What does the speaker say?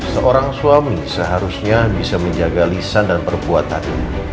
seorang suami seharusnya bisa menjaga lisan dan perbuatan